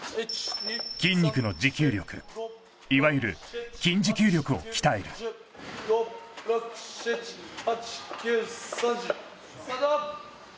筋肉の持久力いわゆる筋持久力を鍛える・５６７８９３０スタート